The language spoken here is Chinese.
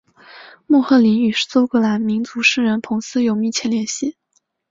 莫赫林与苏格兰民族诗人彭斯有密切关系。